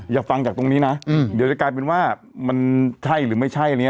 อยากฟังจากตรงนี้นะเดี๋ยวจะกลายเป็นว่ามันใช่หรือไม่ใช่เนี่ย